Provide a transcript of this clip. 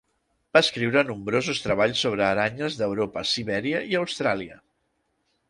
Va escriure nombrosos treballs sobre aranyes d'Europa, Sibèria i Austràlia.